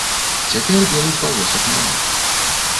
Цяпер белых палосак няма.